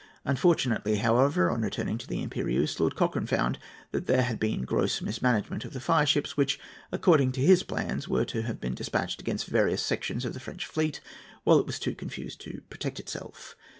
Unfortunately, however, on returning to the Impérieuse, Lord Cochrane found that there had been gross mismanagement of the fireships, which, according to his plans, were to have been despatched against various sections of the French fleet while it was too confused to protect itself.